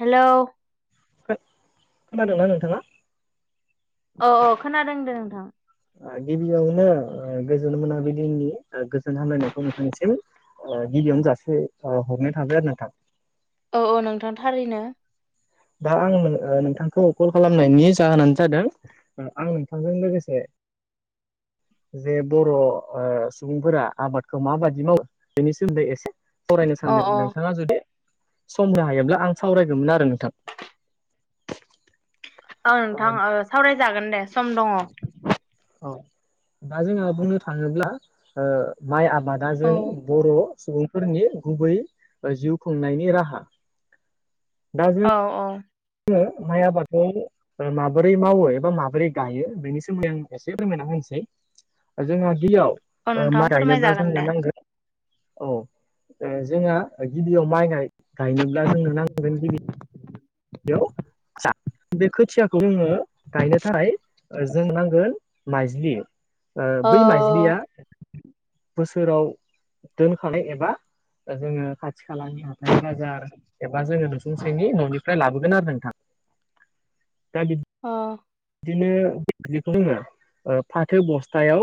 होलाव। खोनादोंना नोंथाङा? औ औ खोनादोंदो नोंथां। गिबियावनो गोजोन मोनाबिलिनि गोजोन हामलायनायखौ नोंथांनि निसिम। गिबियावनो जासिहरनाय थाबाय आरो नोंथां। औ औ नोंथां थारैनो। दा आं नोंथांखौ कल खालामनायनि जाहोनानो जादों, आं नोंथांजों लोगोसे जे बर' सुबुंफोरा आबादखौ माबादि मावो? बेनि सोमोन्दै एसे फावरायनो अ सानदों अ नोंथाङा जुदि सम होनो हायोब्ला आं सावरायगौमोन आरो नोंथां। औ नोंथां ओ सावरायजागोन दे सम दङ। औ दा जोङो बुंनो थाङोब्ला ओ माइ आबादा औ जों बर' सुबुंफोरनि गुबै जिउ खुंनायनि राहा। दा जों औ औ। [unintelligible] माइ आबादखौ माबोरै मावो एबा माबोरै गायो बेनि सोमोन्दै आं एसे फोरमायना होनोसै। जोंहा औ गिबियाव नोंथां माय गायनोब्ला फोरमायजागोन जोंनो दे। नांगोन। औ ओ जोंहा गिबियाव माइ गायनोब्ला जोंनो नां [unintelligible] गोन गिबि औ [unintelligible] सा बे खोथियाखौ जोङो गायनोथाखाय जोंनो नांगोन माइज्लि। ओ अ बै माइज्लिया बोसोराव दोनखानाय एबा दा जोङो खाथि खालानि हाथाय बाजार एबा जोङो नुसुंखाइनि न'नि फ्राय लाबोगोन आरो नोंथां दा बि अ इनो बेखौ रोङा ओ फाथो बस्थायाव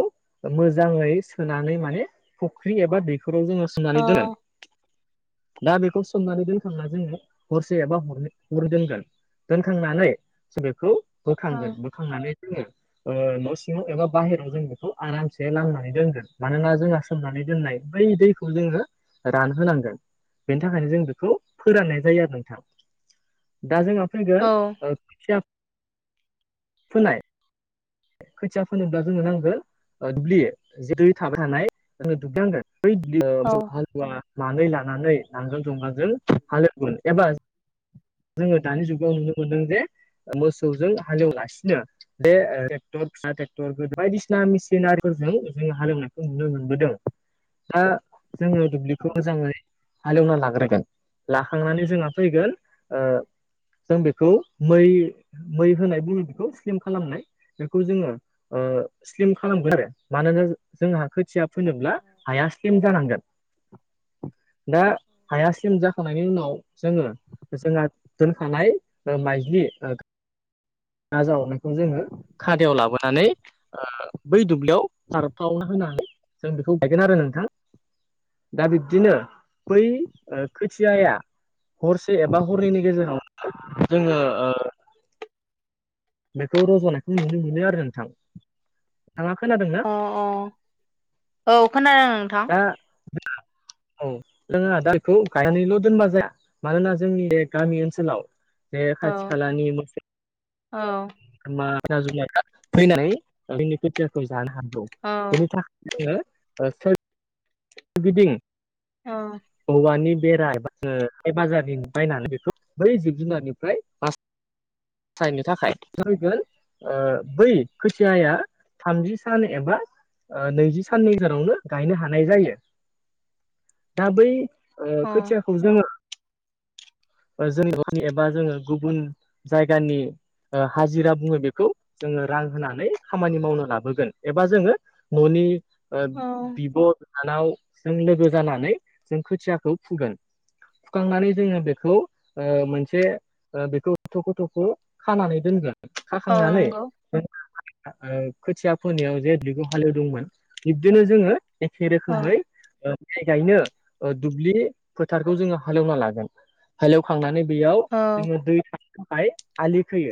मोजाङै सोनानै माने फख्रि एबा दैख'राव जोङो स अ सोमनानै दोनो दा बेखौ सोमनानै दोनखांना जोङो हरसे एबा हरनै हर दोनगोन दोनखांनानै जों बेखौ बोखांगोन बोखांनानै जोङो ओ न' सिङाव एबा बाहेराव जों बेखौ आरामसे लामनानै दोनगोन मानोना जोंहा सोमनानै दोननाय बै दैखौ जोङो रानहोनांगोन बेनि थाखायनो जों बेखौ फोराननाय जायो आरो नोंथां। दा जोंहा औ फैगोन ओ खुथिया फोनाय खोथिया फोनोब्ला जोंनो नांगोन ओ दुब्लि [unintelligible] थाबाय थानाय जोंनो दुब्लिनांगोन बै औ [unintelligible] हालुवा मानै लानानै नांगोल जंगालजों हालेवगोन एबा जोङो दानि जुगाव नुनो मोनदों जे ओ मोसौजों हालेवालासिनो बे [unintelligible] [unintelligible] फिसा थेक्टर [unintelligible] बायदिसिना मेसिनारिफोरजों जोङो हालेवनायखौ नुनो मोनबोदों। था जोङो अ दुब्लिखौ मोजाङै हालेवना लाग्रोगोन लाखांनानै जोंहा फैगोन ओ जों बेखौ मै मै होनाय बुङो बेखौ स्लिम खालामनाय बेखौ जोङो ओ स्लिम खालामगोन आरो मानोना [unintelligible] जोंहा खोथिया फोनोब्ला हाया स्लिम जानांगोन दा हाया स्लिम जाखांनायनि उनाव जोङो जोंहा दोनखानाय ओ माइज्लि ओग हा जावनायखौ जोङो खादायाव लाबोनानै ओ बै दुब्लियाव सारफावना होनानै जों बेखौ गायगोन आरो नोंथां। दा बिब्दिनो बै ओ खोथियाया हरसे एबा हरनैनि गेजेराव [unintelligible] जोङो ओ बेखौ रज'नायखौ नुनो मोनो आरो नोंथां। थाङा खोनादोंना अ औ खोनादों नोंथां दा [unintelligible] औ जोंहा दा इखौ गायनानैल' दोनबा जाया मानोना जोंनि बे गामि ओनसोलाव बे औ खाथि खालानि मोनसे औ। [unintelligible] फैनानै जोंनि खोथियाखौ जानो हागौ औ बेनि थाख [inaudible] औ। औवानि बेरा एबा [unintelligible] हाथाय बाजारनि बायनानै बेखौ बै जिब जुनारनिफ्राय बास सायनो थाखाय [unintelligible] गोन ओ बै खोथियाया थामजि सान एबा ओ नैजि साननि गेजेरावनो गायनो हानाय जायो दा बै ओ खैथिया खौ जोङो ओ जोंनि [unintelligible] एबा जोङो गुबुन जायगानि ओ हाजिरा बुङो बेखौ जोङो रां होनानै खामानि मावनो लाबोगोन एबा जोङो न'नि ओ औ बिब' बिनानाव जों लोगो जानानै जों खोथियाखौ फुगोन फुखांनानै जोङो बेखौ ओ मोनसे ओ बेखौ थख' थख' खानानै दोनगोन औ खाखांनानै नंगौ ओ [unintelligible] ओ खोथिया फोनायाव जे बिखौ हालेवदोंमोन बिब्दिनो जोङो एखे औ रोखोमै ओ माइ गायनो ओ दुब्लि फोथारखौ जोङो हालेवना लागोन हालेवखांनानै बेयाव औ जों दै थानो थाखाय आलि खोयो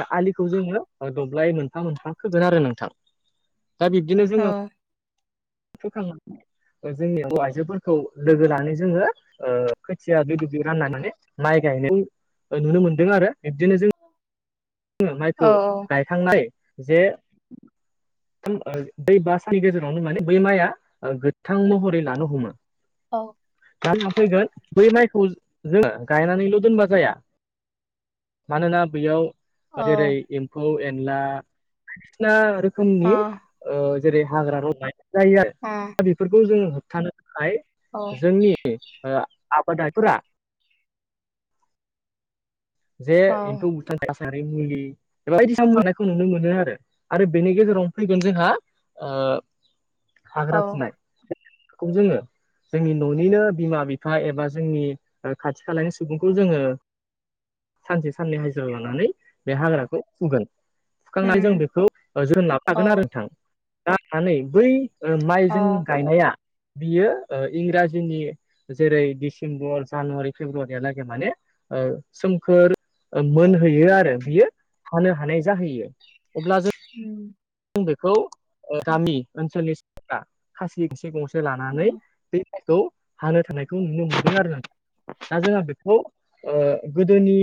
दा आलिखौ जोङो ओ दब्लाय मोनफा मोनफा खोगोन आरो नोंथां। दा बिब्दिनो औ जोङो, फोखाङा जोंनि हौवा आइजोफोरखौ लोगो लानानै जोङो ओ खोथिया दुब्लि दुब्लि रानना माने माइ गायनाय नुनो मोनदों आरो। बिबदिनो जों जोङो माइखौ औ गायखांनाय जे ब्रै बा साननि गेजेरावनो माने बै माइया गोथां महरै लानो हमो। औ। दा जोंना फैगोन बै माइखौ जोङो गायनानैल' दोनबा जाया। मानोना बेयाव अ जेरै एम्फौ एनला बायदिसिना रोखोमनि अ ओ जेरै हाग्रा रंजाय जायो आरो। अ। दा बेफोरखौ जोङो होबथानो थाखाय जोंनि ओ आबादारिफोरा जे औ [unintelligible] रासानारि मुलि एबा बायदिसिना सारनायखौ नुनो मोनो आरो। आरो बेनि गेजेरावनो फैगोन जोंहा ओ औ हाग्रा फुनाय बेखौ जोङो जोंनि न'निनो बिमा बिफा एबा जोंनि ओ खाथि खालानि सुबुंखौ जोङो सानसे साननै हाजिरा लानानै बे हाग्राखौ फुगोन। फुखांनानै जों उम बेखौ ओ जोथोन लाबाय औ थागोन आरो नोंथां। दा [unintelligible] नै बै ओ माइ जों औ गायनाया, बियो इंराजिनि जेरै डिसेम्बर जानुवारि फेब्रुवारियालागै माने ओ सोमखोर मोनहैयो आरो बियो हानो हानाय जाहैयो। अब्ला जों [unintelligible] जों बेखौ ओ गामि ओनसोलनि [unintelligible] खासि गंसे गंसे लानानै बै माइखौ हानो थांनायखौ नुनो मोनदों आरो। दा जोंहा बेखौ ओ गोदोनि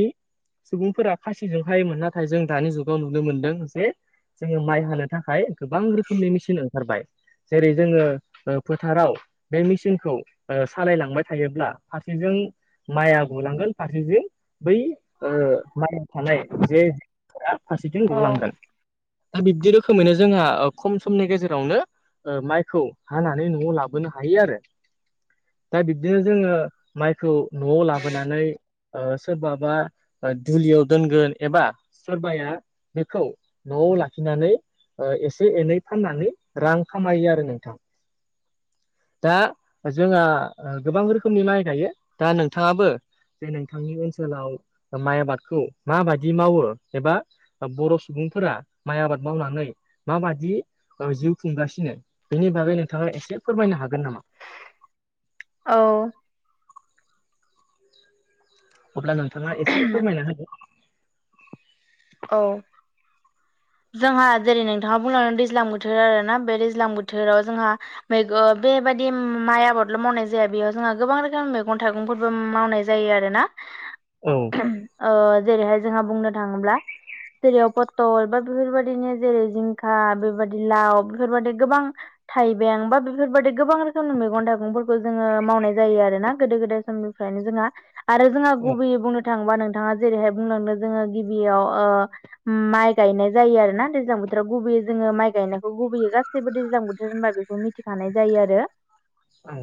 सुबुंफोरा खासिजों हायोमोन। नाथाय जों दानि जुगाव नुनो मोनदों जे जोङो माइ हानो थाखाय गोबां रोखोमनि मेसिन ओंखारबाय। जेरै जोङो ओ फोथाराव बे मेसिनखौ ओ सालायलांबाय थायोब्ला फारसेजों माइआ गलांगोन, फारसेथिं बै ओ माइआ थानाय जे [unintelligible] फारसेथिं औ गलांगोन। दा बिब्दि रो खोमैनो जोंहा ओ खम समनि गेजेरावनो ओ माइखौ हानानै न'आव लाबोनो हायो आरो। दा बिब्दिनो जोङो माइखौ न'आव लाबोनानै ओ सोरबाबा ओ दुलियाव दोनगोन एबा सोरबाया बेखौ न'आव लाखिनानै ओ एसे एनै फाननानै रां खामायो आरो नोंथां। दा जोंहा ओ गोबां रोखोमनि माइ गायो दा नोंथाङाबो जे नोंथांनि ओनसोलाव माइ आबादखौ माबायदि मावो एबा बा बर' सुबुंफोरा माइ आबाद मावनानै माबादि ओ जिउ खुंगासिनो, बेनि बागै नोंथाङा एसे फोरमायनो हागोन नामा? औ। अब्ला नोंथाङा एसे फोरमायना होदो। औ। जोंहा जेरै नोंथाङा बुंलांदों दैज्लां बोथोर आरो ना बे दैज्लां बोथोराव जोंहा मैगं बेबायदि माइ आबादल' मावनाय जाया। बेयाव जोंहा गोबां रोखोम मैगं थाइगंफोरबो मावनाय जा जायो आरो ना। औ। [unintelligible] ओ जेरैहाय जोंहा बुंनो थाङोब्ला जेरैयाव पथल बा बेफोरबायदिनो जेरै जिंखा बेबादि लाव बेफोरबादि गोबां थाइबें बा बेफोरबायदि गोबां रोखोमनि मैगं थाइगंफोरखौ जोङो मावनाय जायो आरो ना गोदो गोदाय सम फ्रायनो जोंहा आरो जोंहा औ गुबैयै बुंनो थाङोबा नोंथाङा जेरैहाय बुंलांदों जोङो गिबियाव ओ ओम माइ गायनाय जायो आरो ना दैज्लां बोथोराव गुबैयो जोङो माइ गायनायखौ गुबैयो गासैबो दैज्लां बोथोर होनबा बेखौ मि थिखानाय जायो आरो। ओम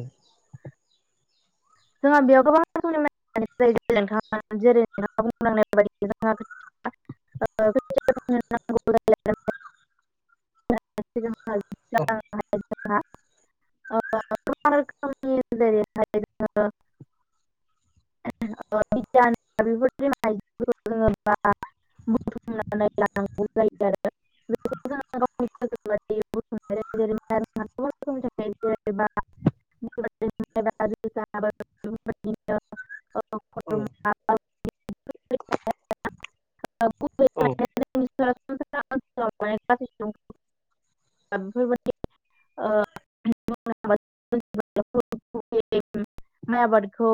जोंहा बेयाव गोबां [unintelligible] [unintelligible] [unintelligible] [unintelligible] औ [unintelligible] [unintelligible] [unintelligible] [unintelligible] [unintelligible] बुथुमनाय जायो जेरै माइरंआ गोबां रोखोमनि थाखायो जेनेबा माइब्रा औ [unintelligible] औ [unintelligible] [unintelligible] [unintelligible] माइ आबादखौ